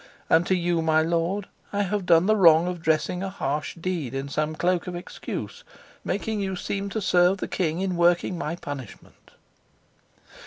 And to you, my lord, I have done the wrong of dressing a harsh deed in some cloak of excuse, making you seem to serve the king in working my punishment."